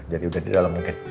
jadi udah di dalam mungkin